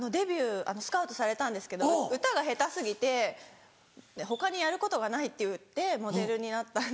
スカウトされたんですけど歌が下手過ぎて他にやることがないっていってモデルになったんです。